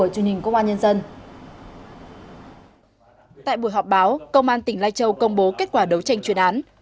tại buổi họp báo công an tỉnh lai châu công bố kết quả đấu tranh chuyên án